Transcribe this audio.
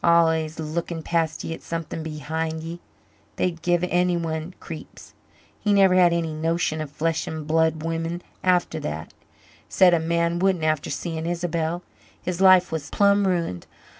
Al'ays looking past ye at something behind ye. They'd give anyone creeps. He never had any notion of flesh and blood women after that said a man wouldn't, after seeing Isabel. His life was plumb ruined.